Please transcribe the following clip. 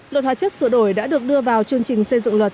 luật hóa chất sửa đổi đã được đưa vào chương trình xây dựng luật